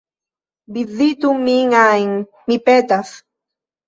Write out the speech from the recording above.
Vizitu min iam, mi petas!